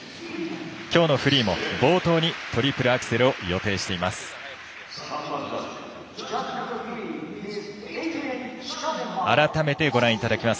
きょうのフリーも冒頭にトリプルアクセルを予定しています。